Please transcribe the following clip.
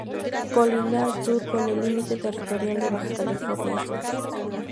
Colinda al sur con el límite territorial de Baja California Sur.